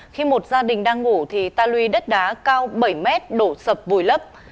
khi một gia đình đang ngủ thì ta lùi đất đá cao bảy m đổ sập vùi lấp